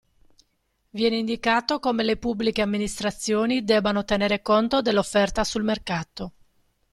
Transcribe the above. Viene indicato come le Pubbliche Amministrazioni debbano tenere conto dell'offerta sul mercato.